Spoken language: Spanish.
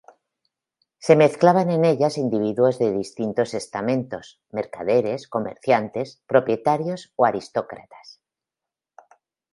Se mezclaban en ellas individuos de distintos estamentos: mercaderes, comerciantes, propietarios o aristócratas.